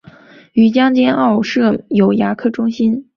于将军澳设有牙科中心。